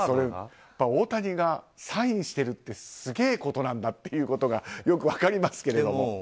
大谷がサインしているってすげえことなんだということがよく分かりますけれども。